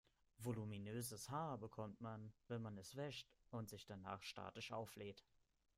Voluminöses Haar bekommt man, wenn man es wäscht und sich danach statisch auflädt.